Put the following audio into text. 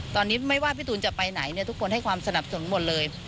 ตอนนี้ไม่ว่าพี่ตูนจะไปไหนทุกคนให้ความสนับสนุนหมดเลย